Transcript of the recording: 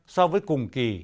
so với cùng kỳ